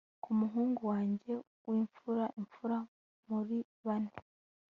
ku muhungu wanjye w'imfura, imfura muri bane